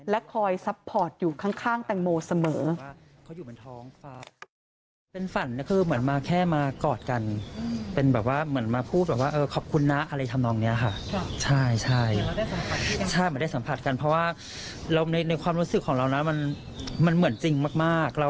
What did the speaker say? คอยซัพพอร์ตอยู่ข้างแตงโมเสมอ